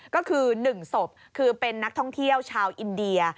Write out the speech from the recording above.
ก็คือ๑ศพคือเป็นนักท่องเที่ยวชาวอินเดีย